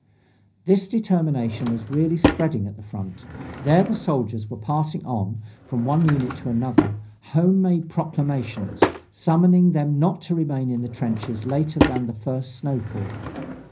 This determination was really spreading at the front. There the soldiers were passing on, from one unit to another, home made proclamations, summoning them not to remain in the trenches later than the first snowfall.